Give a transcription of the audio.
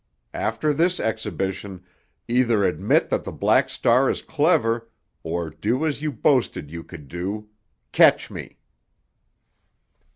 After this exhibition, either admit that the Black Star is clever, or do as you boasted you could do—catch me.